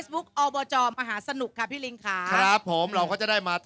น้ำฝนน้ำฝนดู